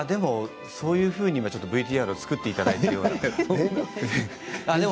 そういうふうにＶＴＲを作っていただいているような。